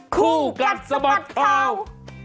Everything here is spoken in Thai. คู่กัดสมัครข่าว